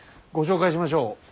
ご紹介しましょう。